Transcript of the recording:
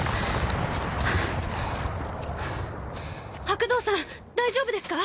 白道さん大丈夫ですか？